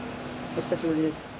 お久しぶりです。